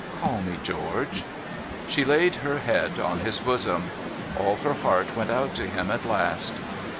' Call me George.' She laid her head on his bosom. All her heart went out to him at last.